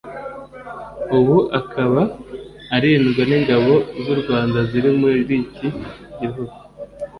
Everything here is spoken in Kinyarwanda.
ubu akaba arindwa n’ingabo z’u Rwanda ziri muri iki gihugu